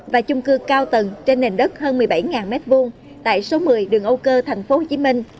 và chung cư cao tầng trên nền đất hơn một mươi bảy m hai tại số một mươi đường âu cơ tp hcm